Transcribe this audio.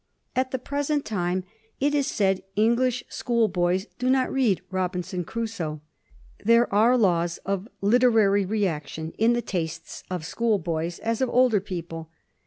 At the present time, it is said, Eng lish school boys do not read " Robinson Crusoe." There are laws of literary reaction in the tastes of school boys as of older people.